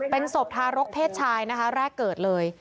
เป็นศพทารกเพศชายนะคะแรกเกิดเลย